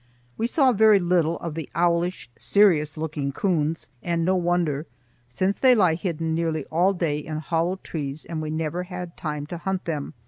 We saw very little of the owlish, serious looking coons, and no wonder, since they lie hidden nearly all day in hollow trees and we never had time to hunt them.